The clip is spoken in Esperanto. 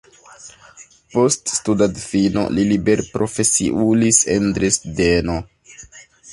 Post studadfino li liberprofesiulis en Dresdeno.